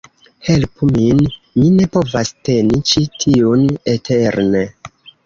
"Helpu min! Mi ne povas teni ĉi tiun eterne"